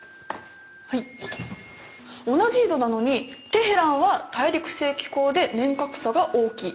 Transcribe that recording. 同じ緯度なのにテヘランは大陸性気候で年較差が大きい。